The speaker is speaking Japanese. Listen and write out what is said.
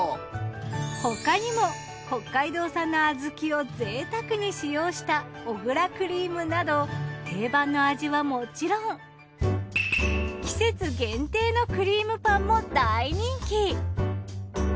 ほかにも北海道産の小豆を贅沢に使用した小倉クリームなど定番の味はもちろん季節限定のくりーむパンも大人気。